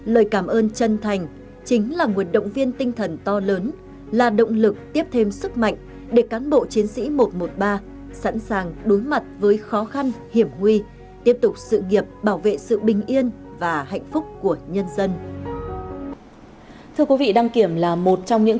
lời cảm ơn chân thành chính là nguồn động viên tinh thần to lớn là động lực tiếp thêm sức mạnh để cán bộ chiến sĩ một trăm một mươi ba sẵn sàng đối mặt với khó khăn hiểm nguy tiếp tục sự nghiệp bảo vệ sự bình yên và hạnh phúc của nhân dân